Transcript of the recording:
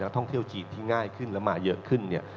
ท่องเที่ยวจีนที่ง่ายขึ้นแล้วมาเยอะขึ้นเนี่ย